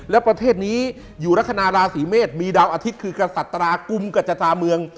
และประเทศนี้อยู่ลักษณะราศีเมษมีดาวอาทิตย์คือกษัตรากุมกับจตาเมือง